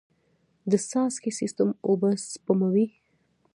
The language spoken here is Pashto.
د څاڅکي سیستم اوبه سپموي.